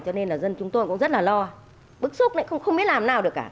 cho nên là dân chúng tôi cũng rất là lo bức xúc lại không biết làm nào được cả